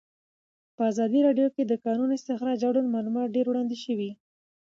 په ازادي راډیو کې د د کانونو استخراج اړوند معلومات ډېر وړاندې شوي.